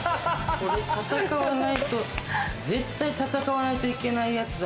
これ戦わないと絶対戦わないといけないやつだ。